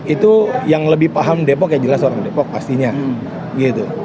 itu yang lebih paham depok ya jelas orang depok pastinya gitu